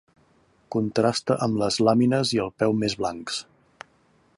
Contrasta amb les làmines i el peu més blancs.